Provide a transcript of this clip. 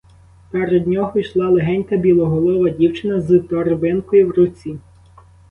Перед нього йшла легенька білоголова дівчина з торбинкою в руці.